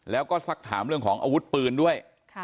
แล้วก็สักถามเรื่องของอาวุธปืนด้วย